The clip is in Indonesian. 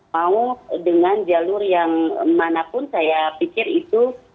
mau dengan jalur yang manapun saya pikir itu